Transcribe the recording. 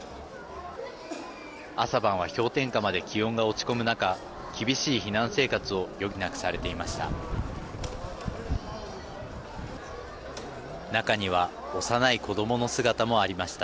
朝晩は氷点下まで気温が落ち込む中厳しい避難生活を余儀なくされていました。